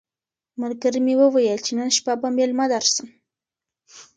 ملګري مي وویل چي نن شپه به مېلمه درسم.